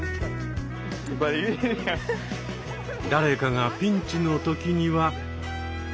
誰かがピンチの時には。